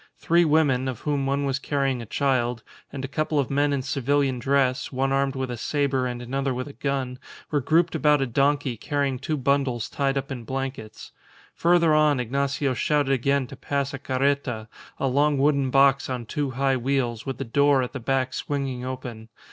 Three women of whom one was carrying a child and a couple of men in civilian dress one armed with a sabre and another with a gun were grouped about a donkey carrying two bundles tied up in blankets. Further on Ignacio shouted again to pass a carreta, a long wooden box on two high wheels, with the door at the back swinging open.